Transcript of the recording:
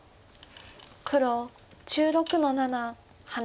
黒１６の七ハネ。